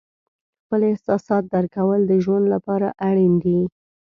خپل احساسات درک کول د ژوند لپاره اړین دي.